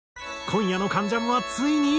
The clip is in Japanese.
今夜の『関ジャム』はついに。